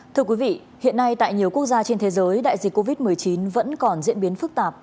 thưa quý vị hiện nay tại nhiều quốc gia trên thế giới đại dịch covid một mươi chín vẫn còn diễn biến phức tạp